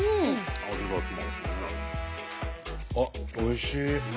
あっおいしい！